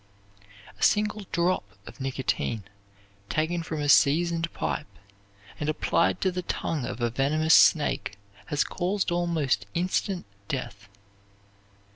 A single drop of nicotine taken from a seasoned pipe, and applied to the tongue of a venomous snake has caused almost instant death.